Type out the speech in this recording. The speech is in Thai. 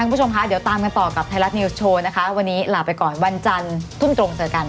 คุณผู้ชมคะเดี๋ยวตามกันต่อกับไทยรัฐนิวส์โชว์นะคะวันนี้ลาไปก่อนวันจันทร์ทุ่มตรงเจอกัน